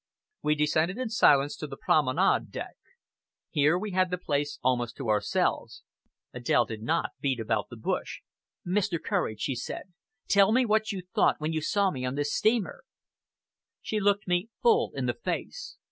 We descended in silence to the promenade deck. Here we had the place almost to ourselves. Adèle did not beat about the bush. "Mr. Courage," she said, "tell me what you thought when you saw me on this steamer!" She looked me full in the face.